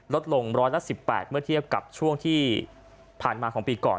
ลดลงร้อยละ๑๘เมื่อเทียบกับช่วงที่ผ่านมาของปีก่อน